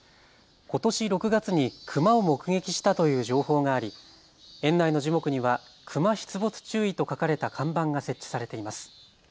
ことし６月にクマを目撃したという情報があり園内の樹木には熊出没注意と書かれた看板が設置されています。